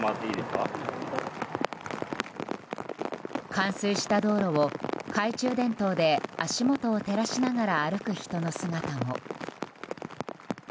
冠水した道路を懐中電灯で足元を照らしながら歩く人の姿も。